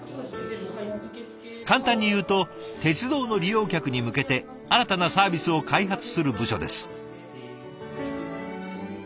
簡単に言うと鉄道の利用客に向けて新たなサービスを開発する部署です。